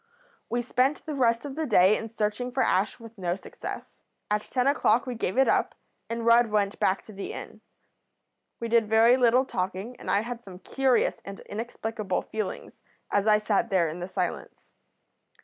We spent the rest of the day in searching for Ash with no success. At ten o'clock we gave it up, and Rudd went back to the inn. We did very little talking, and I had some curious and inexplicable feelings as I sat there in the silence.